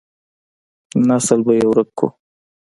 نسل به يې ورک کو.